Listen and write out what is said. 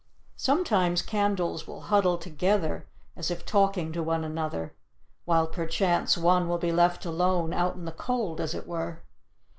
Sometimes candles will huddle together as if talking to one another, while perchance one will be left alone, out in the cold, as it were.